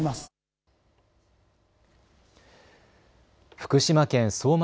福島県相馬